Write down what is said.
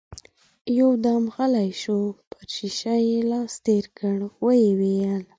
يودم غلی شو، پر شيشه يې لاس تېر کړ، ويې ويل: